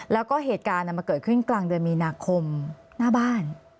แล้วก็เหตุการณ์มันเกิดขึ้นกลางเดือนมีนาคมหน้าบ้าน